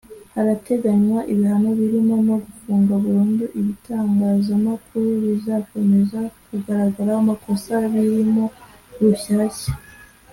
Harateganywa ibihano birimo no gufunga burundu ibitangazamakuru bizakomeza kugaraho amakosa birimo Rushyashya